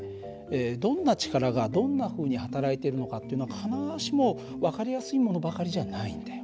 どんな力がどんなふうにはたらいているのかっていうのは必ずしも分かりやすいものばかりじゃないんだよ。